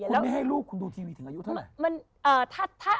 คุณไม่ให้ลูกคุณดูทีวีถึงอายุเท่าไหร่